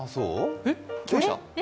来ました？